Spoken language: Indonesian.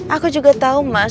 aku juga tau mas